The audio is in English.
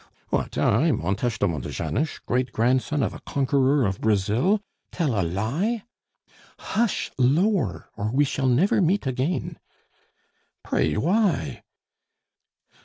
"What, I, Montes de Montejanos, great grandson of a conquerer of Brazil! Tell a lie?" "Hush, lower, or we shall never meet again." "Pray, why?"